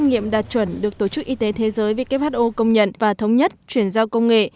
nghiệm đạt chuẩn được tổ chức y tế thế giới công nhận và thống nhất chuyển giao công nghệ